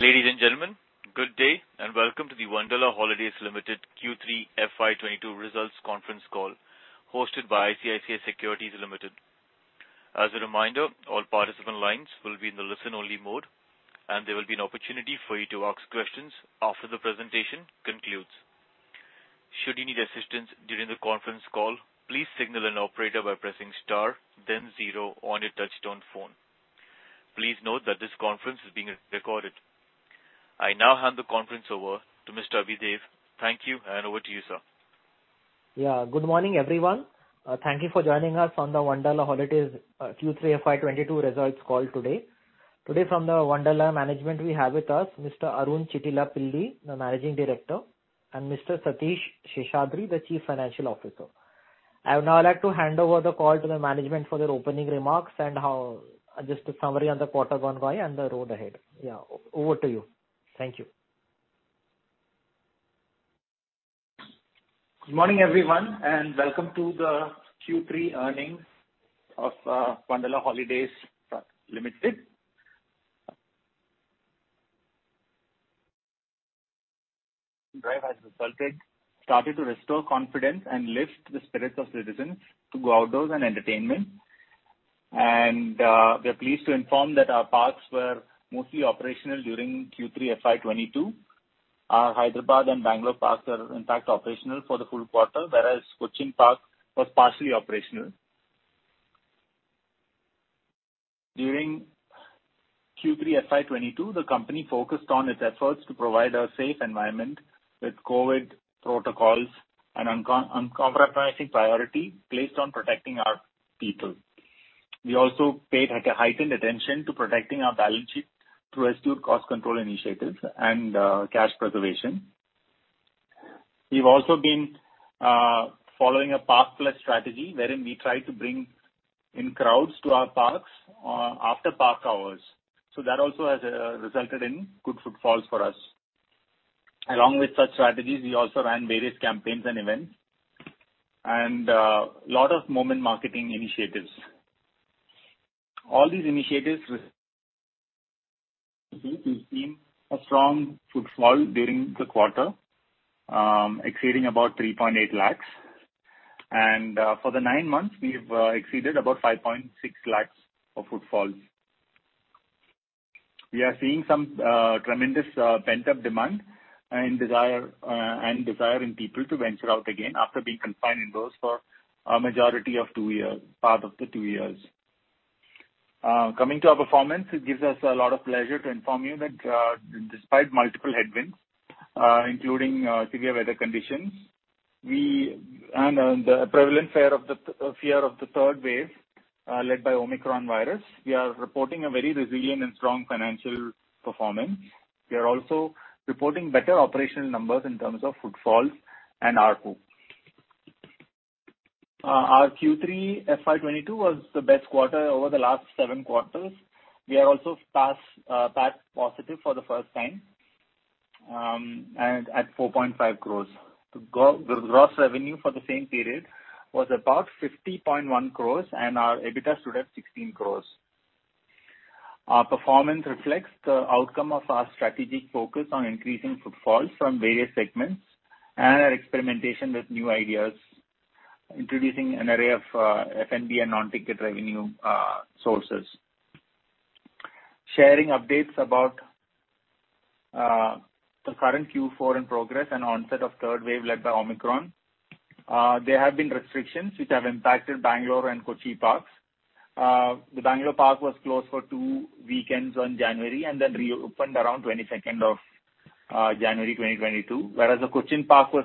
Ladies and gentlemen, good day and welcome to the Wonderla Holidays Limited Q3 FY 2022 results conference call hosted by ICICI Securities Limited. As a reminder, all participant lines will be in the listen-only mode, and there will be an opportunity for you to ask questions after the presentation concludes. Should you need assistance during the conference call, please signal an operator by pressing star then zero on your touchtone phone. Please note that this conference is being recorded. I now hand the conference over to Mr. Adhidev. Thank you, and over to you, sir. Good morning, everyone. Thank you for joining us on the Wonderla Holidays Q3 FY 2022 results call today. Today from the Wonderla management we have with us Mr. Arun Chittilappilly, the Managing Director, and Mr. Satheesh Seshadri, the Chief Financial Officer. I would now like to hand over the call to the management for their opening remarks, just a summary on the quarter gone by and the road ahead. Over to you. Thank you. Good morning, everyone, and welcome to the Q3 earnings of Wonderla Holidays Limited. Wonderla has started to restore confidence and lift the spirits of citizens to go outdoors and entertainment. We are pleased to inform that our parks were mostly operational during Q3 FY 2022. Our Hyderabad and Bangalore parks are in fact operational for the full quarter, whereas Cochin park was partially operational. During Q3 FY 2022, the company focused on its efforts to provide a safe environment with COVID protocols and uncompromising priority placed on protecting our people. We also paid a heightened attention to protecting our balance sheet through astute cost control initiatives and cash preservation. We've also been following a park plus strategy, wherein we try to bring in crowds to our parks after park hours. That also has resulted in good footfalls for us. Along with such strategies, we also ran various campaigns and events and lot of moment marketing initiatives. All these initiatives seemed a strong footfall during the quarter, exceeding about 3.8 lakhs. For the nine months, we've exceeded about 5.6 lakhs of footfalls. We are seeing some tremendous pent-up demand and desire in people to venture out again after being confined indoors for a majority of two years, part of the two years. Coming to our performance, it gives us a lot of pleasure to inform you that, despite multiple headwinds, including severe weather conditions and the prevalent fear of the third wave led by Omicron virus, we are reporting a very resilient and strong financial performance. We are also reporting better operational numbers in terms of footfalls and ARPU. Our Q3 FY 2022 was the best quarter over the last 7seven quarters. We are also PAT positive for the first time, and at 4.5 crores. The gross revenue for the same period was about 50.1 crores, and our EBITDA stood at 16 crores. Our performance reflects the outcome of our strategic focus on increasing footfalls from various segments and our experimentation with new ideas, introducing an array of F&B and non-ticket revenue sources. Sharing updates about the current Q4 in progress and onset of third wave led by Omicron. There have been restrictions which have impacted Bangalore and Kochi parks. The Bangalore park was closed for two weekends on January and then reopened around 22nd of January 2022. Whereas the Cochin park was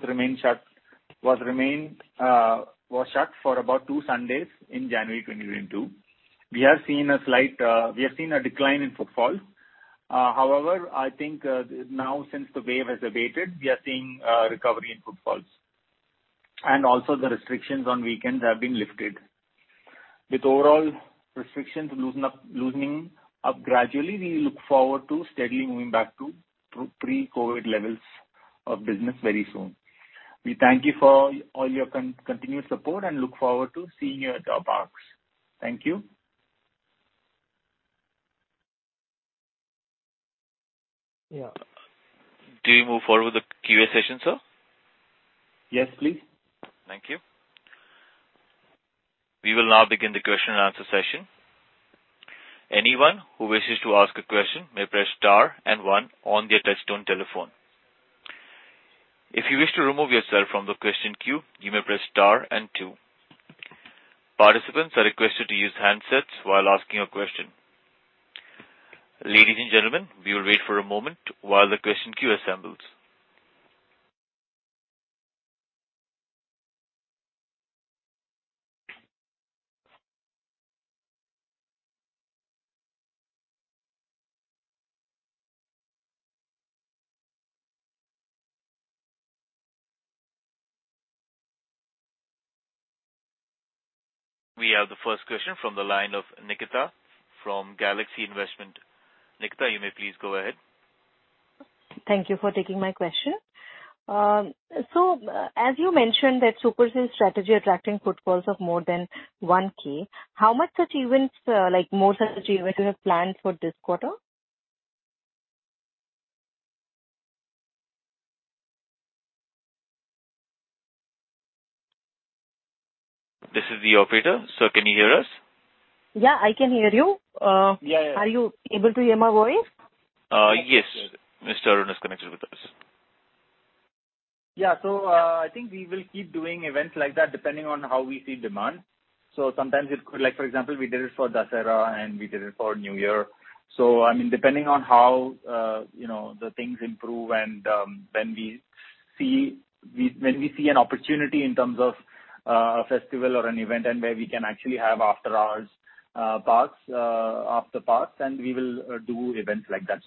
shut for about two Sundays in January 2022. We have seen a slight decline in footfalls. However, I think now since the wave has abated, we are seeing a recovery in footfalls. Also the restrictions on weekends have been lifted. With overall restrictions loosening up gradually, we look forward to steadily moving back to pre-COVID levels of business very soon. We thank you for all your continued support and look forward to seeing you at our parks. Thank you. Yeah. Do we move forward with the QA session, sir? Yes, please. Thank you. We will now begin the question and answer session. Anyone who wishes to ask a question may press star and one on their touchtone telephone. If you wish to remove yourself from the question queue, you may press star and two. Participants are requested to use handsets while asking a question. Ladies and gentlemen, we will wait for a moment while the question queue assembles. We have the first question from the line of Nikita from Galaxy Investment. Nikita, you may please go ahead. Thank you for taking my question. As you mentioned that super's strategy attracting footfalls of more than 1K. How much achievements, like more such achievements you have planned for this quarter? This is the operator. Sir, can you hear us? Yeah, I can hear you. Yeah, yeah. Are you able to hear my voice? Yes. Mr. Arun is connected with us. I think we will keep doing events like that depending on how we see demand. Sometimes it could. Like, for example, we did it for Dussehra and we did it for New Year. I mean, depending on how, you know, the things improve and, when we see an opportunity in terms of, a festival or an event and where we can actually have after-hours parks, then we will do events like that.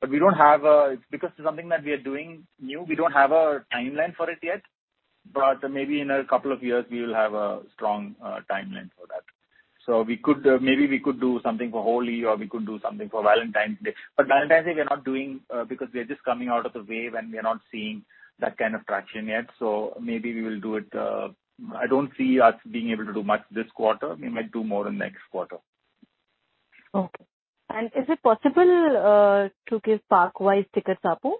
Because it's something that we are doing new, we don't have a timeline for it yet. Maybe in a couple of years we will have a strong timeline for that. We could, maybe we could do something for Holi or we could do something for Valentine's Day. Valentine's Day we are not doing, because we are just coming out of the wave, and we are not seeing that kind of traction yet. Maybe we will do it. I don't see us being able to do much this quarter. We might do more in next quarter. Okay. Is it possible to give park-wise ticket ARPU?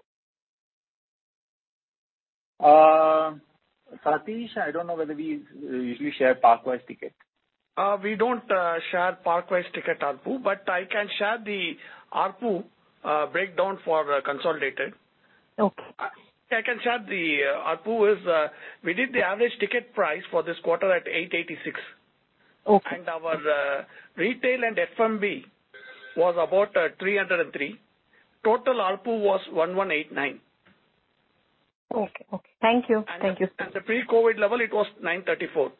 Satheesh, I don't know whether we usually share park-wise ticket. We don't share park-wise ticket ARPU, but I can share the ARPU breakdown for consolidated. Okay. I can share the ARPU is we did the average ticket price for this quarter at 886. Okay. Our retail and F&B was about 303. Total ARPU was 1,189. Okay. Thank you. At the pre-COVID level it was 934.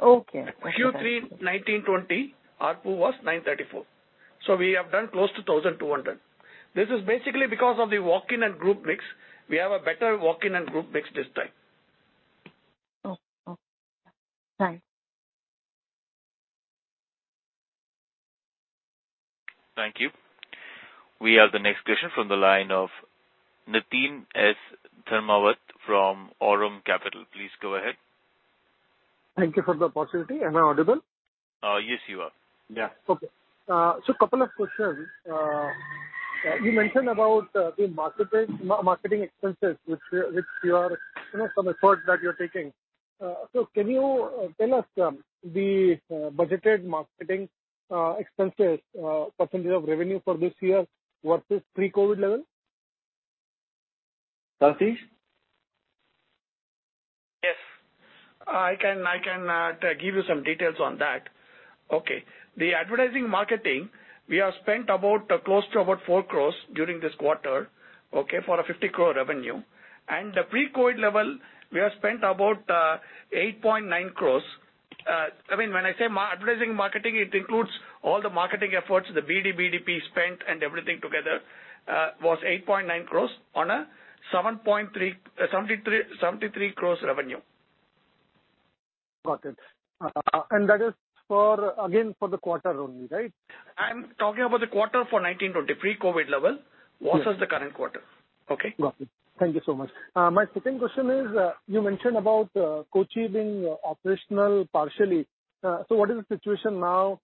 Okay. Q3 2019-2020, ARPU was 934. We have done close to 1,200. This is basically because of the walk-in and group mix. We have a better walk-in and group mix this time. Okay. Thanks. Thank you. We have the next question from the line of Niteen S. Dharmawat from Aurum Capital. Please go ahead. Thank you for the opportunity. Am I audible? Yes, you are. Yeah. Okay. Couple of questions. You mentioned about the marketing expenses which you are, you know, some effort that you're taking. Can you tell us the budgeted marketing expenses percentage of revenue for this year versus pre-COVID level? Satheesh? Yes. I can give you some details on that. Okay. The advertising marketing, we have spent about close to about 4 crore during this quarter, okay, for a 50 crore revenue. The pre-COVID level we have spent about 8.9 crore. I mean, when I say advertising marketing, it includes all the marketing efforts, the BD, BDP spent and everything together was 8.9 crore on a 73 crore revenue. Got it. That is for, again, for the quarter only, right? I'm talking about the quarter for 2019-2020, pre-COVID level. Yes. Versus the current quarter. Okay. Got it. Thank you so much. My second question is, you mentioned about Kochi being operational partially. What is the situation now,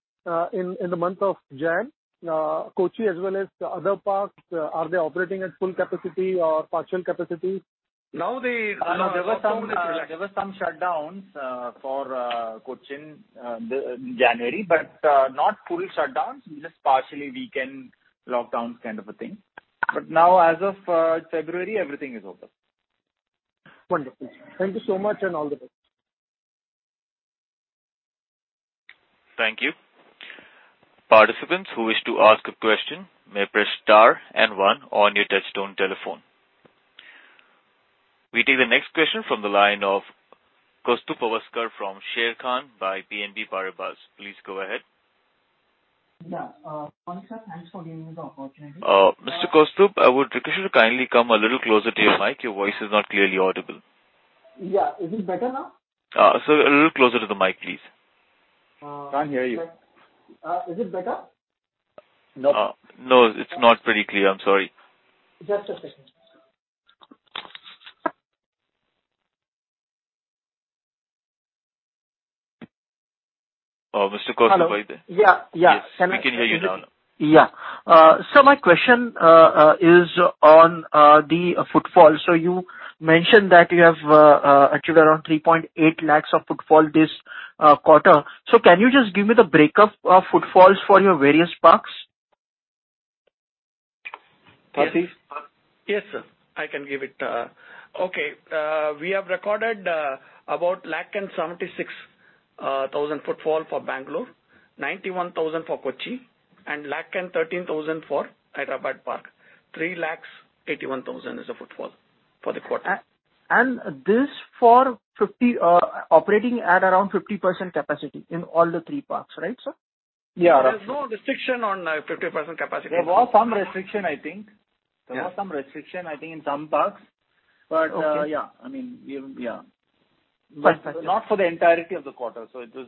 in the month of January? Kochi as well as the other parks, are they operating at full capacity or partial capacity? No, there were some shutdowns for Cochin in January, but not full shutdowns, just partial weekend lockdowns kind of a thing. Now as of February, everything is open. Wonderful. Thank you so much and all the best. Thank you. Participants who wish to ask a question may press star and one on your touchtone telephone. We take the next question from the line of Kaustubh Pawaskar from Sharekhan by BNP Paribas. Please go ahead. Yeah. [Manish], thanks for giving me the opportunity. Mr. Kaustubh, I would request you to kindly come a little closer to your mic. Your voice is not clearly audible. Yeah. Is it better now? Sir, a little closer to the mic, please. Can't hear you. Is it better? No. No, it's not pretty clear. I'm sorry. Just a second. Mr. Kaustubh, are you there? Hello. Yeah, yeah. Yes. We can hear you now. Yeah. My question is on the footfall. You mentioned that you have achieved around 3.8 lakhs of footfall this quarter. Can you just give me the breakup of footfalls for your various parks? Satheesh? Yes. Yes, sir. I can give it. We have recorded about 176,000 footfall for Bangalore, 91,000 for Kochi and 113,000 for Hyderabad park. 381,000 is the footfall for the quarter. This for 50, operating at around 50% capacity in all the three parks, right, sir? Yeah. There's no restriction on 50% capacity. There was some restriction, I think. Yeah. There was some restriction, I think, in some parks. Okay. Yeah, I mean, yeah. Not for the entirety of the quarter. It was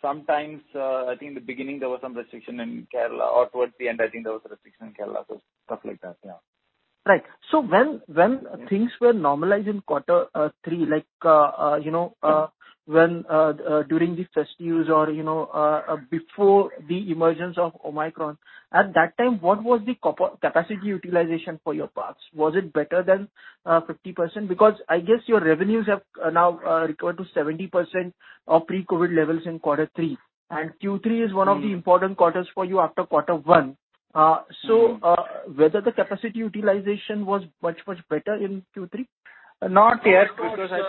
sometimes, I think in the beginning there was some restriction in Kerala or towards the end, I think there was a restriction in Kerala. Stuff like that. Yeah. Right. When things were normalized in quarter three, like, you know, during the festives or, you know, before the emergence of Omicron, at that time, what was the capacity utilization for your parks? Was it better than 50%? Because I guess your revenues have now recovered to 70% of pre-COVID levels in quarter three. Q3 is one of the important quarters for you after quarter one. Whether the capacity utilization was much better in Q3? Not yet, because I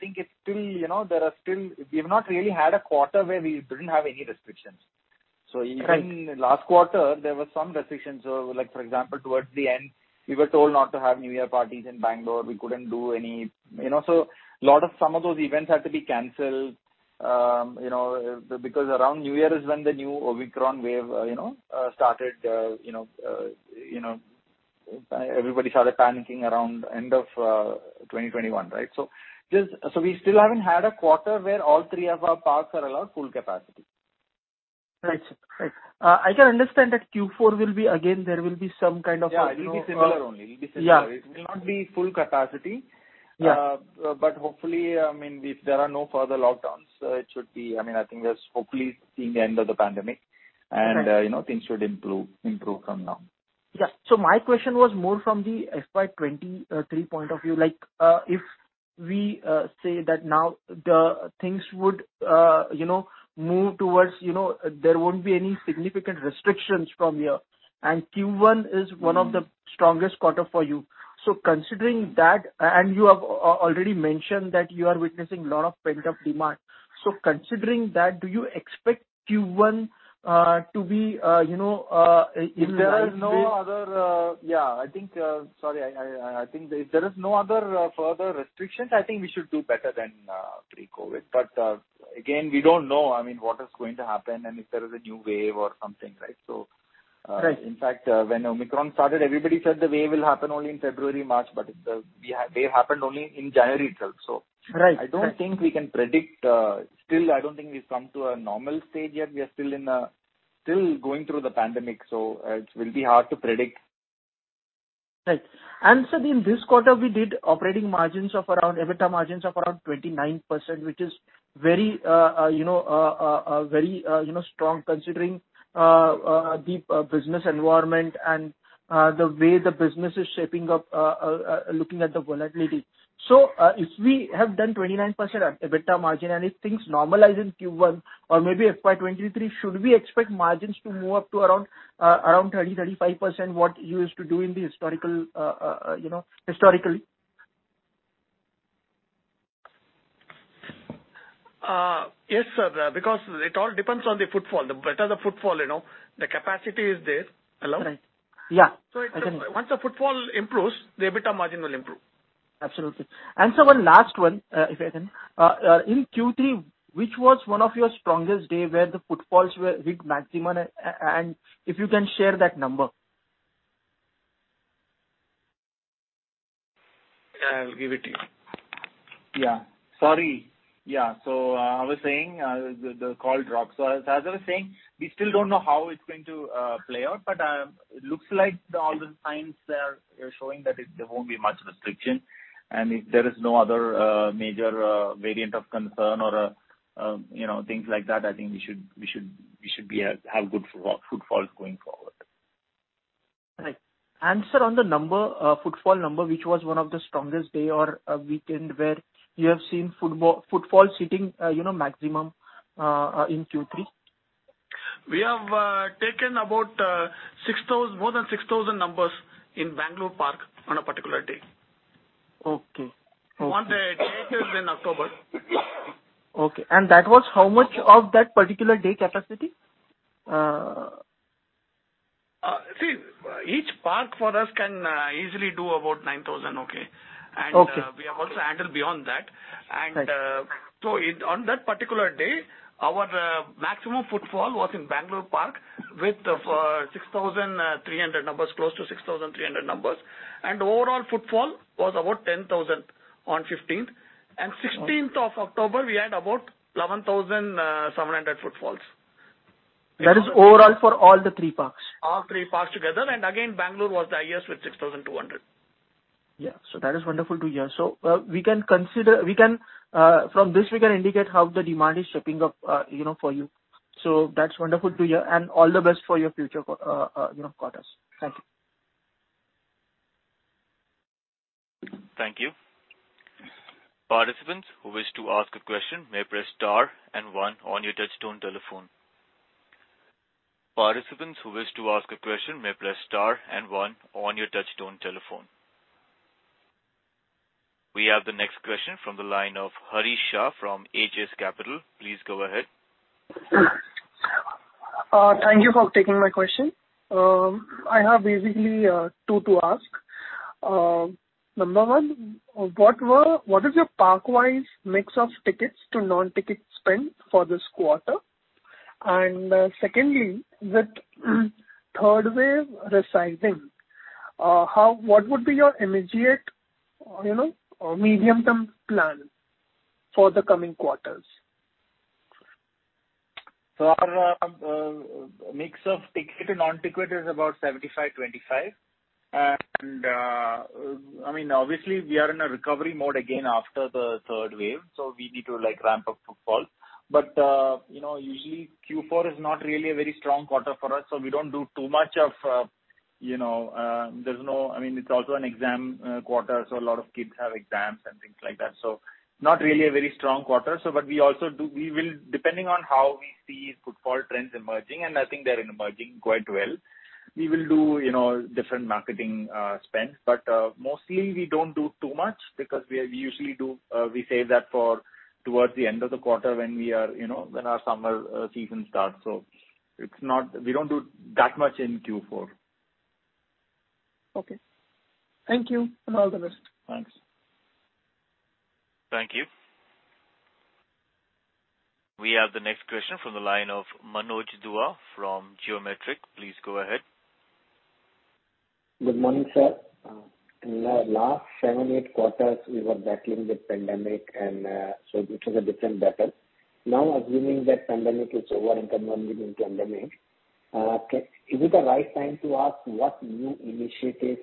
think it's still, you know, there are still. We've not really had a quarter where we didn't have any restrictions. Even- Right. Last quarter, there were some restrictions. Like for example, towards the end, we were told not to have New Year parties in Bangalore. We couldn't do any, you know, so a lot of some of those events had to be canceled, you know, because around New Year is when the new Omicron wave, you know, started, you know, everybody started panicking around end of 2021, right? We still haven't had a quarter where all three of our parks are allowed full capacity. Right. I can understand that Q4 will be again, there will be some kind of. Yeah, it will be similar only. It'll be similar. Yeah. It will not be full capacity. Yeah. Hopefully, I mean, if there are no further lockdowns, it should be, I mean, I think that's hopefully seeing the end of the pandemic and, you know, things should improve from now. Yeah. My question was more from the FY 2023 point of view. Like, if we say that now the things would, you know, move towards, you know, there won't be any significant restrictions from here. Q1 is one of the strongest quarter for you. Considering that, and you have already mentioned that you are witnessing lot of pent-up demand. Considering that, do you expect Q1 to be, you know, in line with? I think if there is no other further restrictions, I think we should do better than pre-COVID. Again, we don't know, I mean, what is going to happen and if there is a new wave or something, right? Right. In fact, when Omicron started, everybody said the wave will happen only in February, March, but it, wave happened only in January itself, so. Right. I don't think we can predict. Still I don't think we've come to a normal stage yet. We are still going through the pandemic, so it will be hard to predict. Right. Sir, in this quarter, we did EBITDA margins of around 29%, which is very, you know, strong considering the business environment and the way the business is shaping up, looking at the volatility. If we have done 29% EBITDA margin and if things normalize in Q1 or maybe FY 2023, should we expect margins to move up to around 30%-35% what you used to do historically? Yes, sir, because it all depends on the footfall. The better the footfall, you know, the capacity is there. Hello? Right. Yeah. So it- I can- Once the footfall improves, the EBITDA margin will improve. Absolutely. Sir, one last one, if I can. In Q3, which was one of your strongest day where the footfalls were reached maximum and if you can share that number? I'll give it to you. Sorry. I was saying the call dropped. As I was saying, we still don't know how it's going to play out, but it looks like all the signs are showing that there won't be much restriction. If there is no other major variant of concern or you know, things like that, I think we should have good footfalls going forward. Right. Sir, on the number, footfall number, which was one of the strongest day or weekend where you have seen footfalls hitting, you know, maximum, in Q3? We have taken about 6,000, more than 6,000 numbers in Bangalore park on a particular day. Okay. Okay. The date is in October. Okay. That was how much of that particular day capacity? See, each park for us can easily do about 9,000, okay? Okay. We have also handled beyond that. Right. On that particular day, our maximum footfall was in Bangalore park with 6,300 numbers, close to 6,300 numbers. Overall footfall was about 10,000 on 15th October and 16th of October, we had about 11,700 footfalls. That is overall for all the three parks? All three parks together. Again, Bangalore was the highest with 6,200. Yeah. That is wonderful to hear. We can consider from this we can indicate how the demand is shaping up, you know, for you. That's wonderful to hear. All the best for your future quarters. Thank you. Thank you. Participants who wish to ask a question may press star and one on your touch-tone telephone. We have the next question from the line of Harish Shah from HS Capital. Please go ahead. Thank you for taking my question. I have basically two to ask. Number one, what is your park-wise mix of tickets to non-ticket spend for this quarter? Secondly, with third wave residing, what would be your immediate, you know, medium-term plan for the coming quarters? Our mix of ticket and non-ticket is about 75/25. I mean, obviously we are in a recovery mode again after the third wave, so we need to, like, ramp up footfall. You know, usually Q4 is not really a very strong quarter for us, so we don't do too much of, you know, I mean, it's also an exam quarter, so a lot of kids have exams and things like that, so not really a very strong quarter. We will, depending on how we see footfall trends emerging, and I think they're emerging quite well, we will do, you know, different marketing spends. Mostly we don't do too much because we usually save that towards the end of the quarter when we are, you know, when our summer season starts. We don't do that much in Q4. Okay. Thank you, and all the best. Thanks. Thank you. We have the next question from the line of Manoj Dua from Geometric. Please go ahead. Good morning, sir. In the last seven, eight quarters we were battling the pandemic and so it was a different battle. Now, assuming that pandemic is over and the world is post-pandemic, is it the right time to ask what new initiatives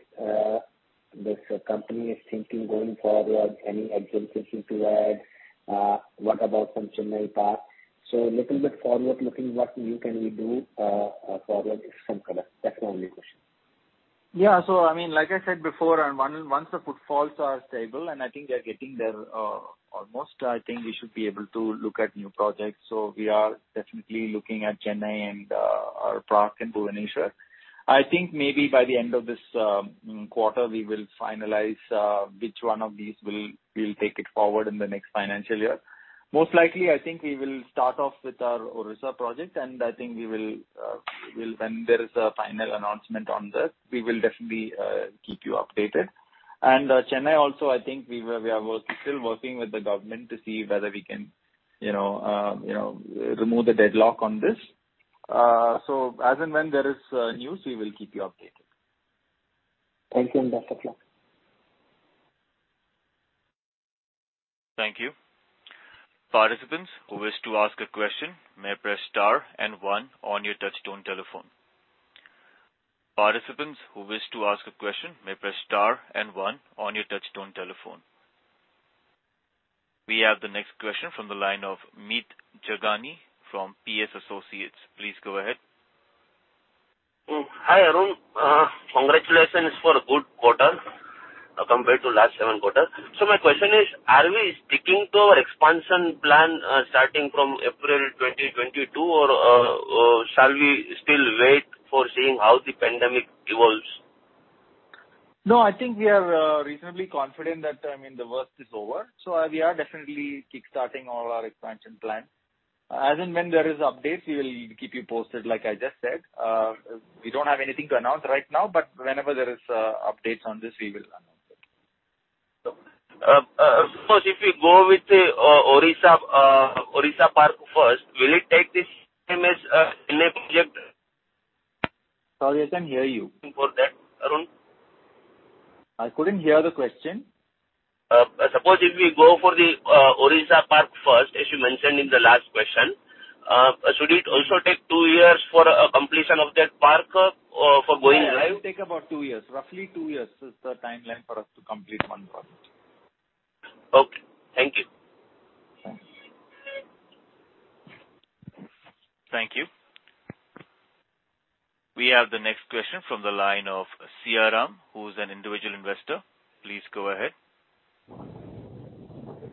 this company is thinking going forward? Any exits looking to add? What about from Chennai park? A little bit forward looking, what new can we do forward if some clarity? That's my only question. Yeah. I mean, like I said before, once the footfalls are stable, and I think they're getting there, almost, I think we should be able to look at new projects. We are definitely looking at Chennai and, our park in Bhubaneswar. I think maybe by the end of this quarter we will finalize which one of these we'll take it forward in the next financial year. Most likely, I think we will start off with our Odisha project, and I think we will when there is a final announcement on this, we will definitely keep you updated. Chennai also, I think we are still working with the government to see whether we can, you know, remove the deadlock on this. As and when there is news, we will keep you updated. Thank you. Best of luck. Thank you. We have the next question from the line of Meet Jagani from PS Associates. Please go ahead. Hi, Arun. Congratulations for a good quarter compared to last seven quarters. My question is, are we sticking to our expansion plan starting from April 2022 or shall we still wait to see how the pandemic evolves? No, I think we are reasonably confident that, I mean, the worst is over, so we are definitely kick-starting all our expansion plans. As and when there is updates, we will keep you posted, like I just said. We don't have anything to announce right now, but whenever there is updates on this, we will announce it. Suppose if you go with the Odisha park first, will it take the same as Chennai project? Sorry, I can't hear you. For that, Arun. I couldn't hear the question. Suppose if we go for the Odisha park first, as you mentioned in the last question, should it also take two years for completion of that park for going live? Yeah, it will take about two years. Roughly two years is the timeline for us to complete one project. Okay. Thank you. Thanks. Thank you. We have the next question from the line of Siyaram, who is an individual investor. Please go ahead.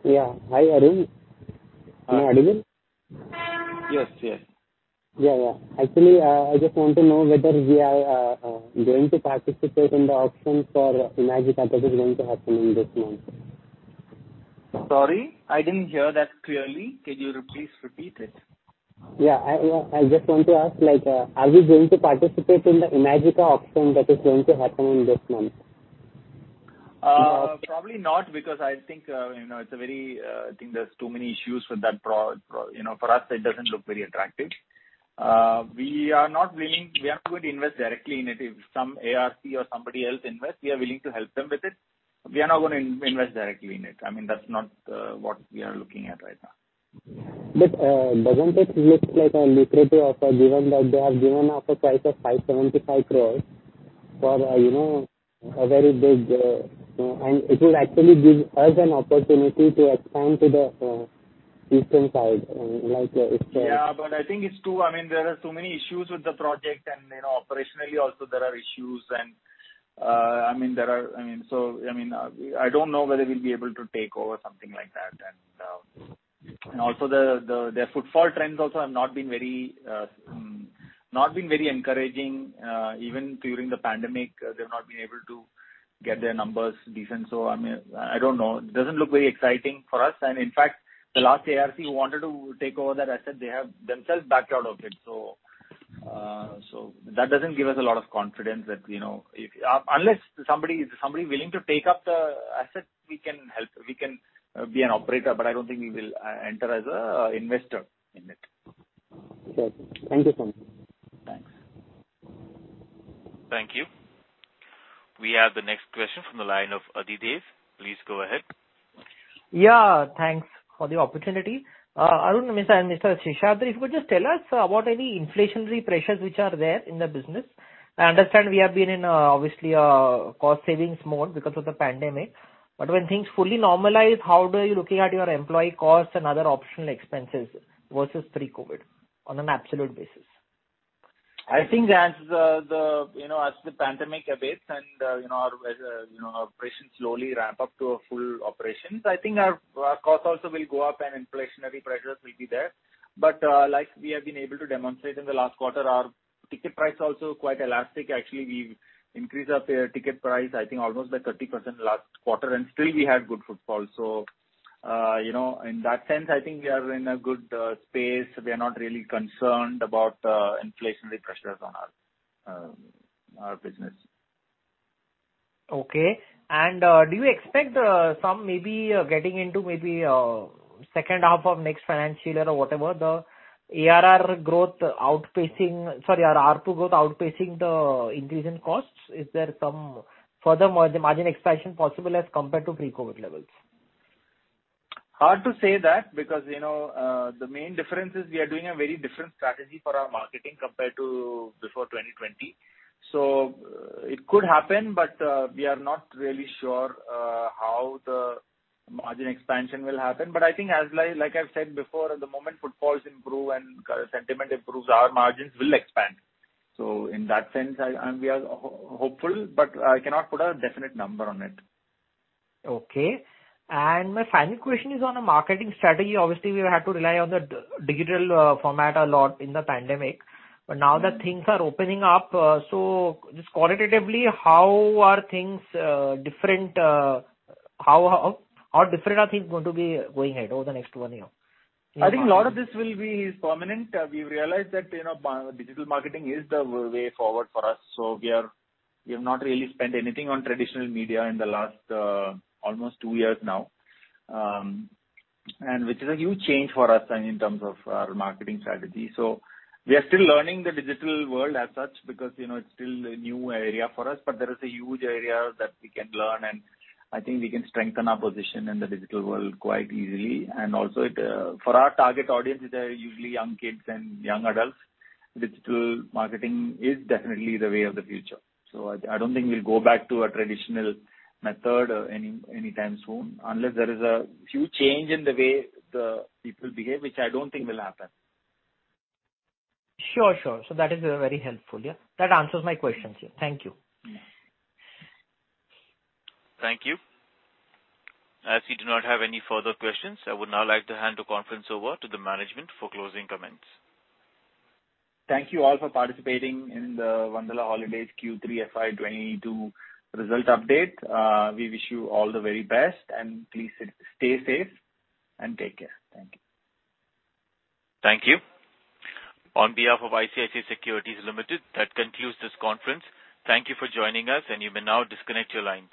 Yeah. Hi, Arun. Can you hear me? Yes. Yes. Yeah, yeah. Actually, I just want to know whether we are going to participate in the auction for Imagicaa that is going to happen in this month? Sorry, I didn't hear that clearly. Could you please repeat it? I just want to ask, like, are we going to participate in the Imagicaa auction that is going to happen in this month? Probably not, because I think, you know, I think there's too many issues with that. You know, for us, it doesn't look very attractive. We are not going to invest directly in it. If some ARC or somebody else invests, we are willing to help them with it. We are not gonna invest directly in it. I mean, that's not what we are looking at right now. Doesn't this look like a lucrative offer, given that they have given us a price of 575 crores for, you know, a very big, you know, and it will actually give us an opportunity to expand to the eastern side, like, it's? Yeah, I think I mean, there are so many issues with the project and, you know, operationally also there are issues and I mean, I don't know whether we'll be able to take over something like that. Also their footfall trends also have not been very encouraging. Even during the pandemic, they've not been able to get their numbers decent. I mean, I don't know. It doesn't look very exciting for us. In fact, the last ARC who wanted to take over that asset, they have themselves backed out of it. That doesn't give us a lot of confidence that, you know. Unless somebody willing to take up the asset, we can help. We can be an operator, but I don't think we will enter as an investor in it. Okay. Thank you so much. Thanks. Thank you. We have the next question from the line of Adhidev. Please go ahead. Yeah, thanks for the opportunity. Arun and Mr. Seshadri, if you could just tell us about any inflationary pressures which are there in the business. I understand we have been in obviously a cost savings mode because of the pandemic. When things fully normalize, how do you look at your employee costs and other optional expenses versus pre-COVID on an absolute basis? I think as the you know, as the pandemic abates and, you know, as, you know, operations slowly ramp up to a full operations, I think our costs also will go up and inflationary pressures will be there. Like we have been able to demonstrate in the last quarter, our ticket price also quite elastic. Actually, we increased our ticket price, I think almost by 30% last quarter, and still we had good footfalls. You know, in that sense, I think we are in a good space. We are not really concerned about, inflationary pressures on our business. Do you expect some getting into second half of next financial year or whatever, our ARPU growth outpacing the increase in costs? Is there some further margin expansion possible as compared to pre-COVID levels? Hard to say that because, you know, the main difference is we are doing a very different strategy for our marketing compared to before 2020. It could happen, but we are not really sure how the margin expansion will happen. I think as like I've said before, the moment footfalls improve and sentiment improves, our margins will expand. In that sense, we are hopeful, but I cannot put a definite number on it. Okay. My final question is on a marketing strategy. Obviously, we have had to rely on the digital format a lot in the pandemic. Now that things are opening up, so just qualitatively, how are things different, how different are things going to be going ahead over the next one year? I think a lot of this will be permanent. We've realized that, you know, digital marketing is the way forward for us, so we have not really spent anything on traditional media in the last almost two years now. Which is a huge change for us in terms of our marketing strategy. We are still learning the digital world as such because, you know, it's still a new area for us. There is a huge area that we can learn, and I think we can strengthen our position in the digital world quite easily. Also for our target audience, they are usually young kids and young adults. Digital marketing is definitely the way of the future. I don't think we'll go back to a traditional method anytime soon, unless there is a huge change in the way the people behave, which I don't think will happen. Sure, sure. That is, very helpful, yeah. That answers my questions. Thank you. Thank you. As we do not have any further questions, I would now like to hand the conference over to the management for closing comments. Thank you all for participating in the Wonderla Holidays Q3 FY22 result update. We wish you all the very best, and please stay safe and take care. Thank you. Thank you. On behalf of ICICI Securities Limited, that concludes this conference. Thank you for joining us, and you may now disconnect your lines.